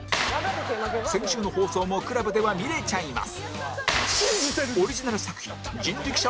先週の放送も ＣＬＵＢ では見れちゃいます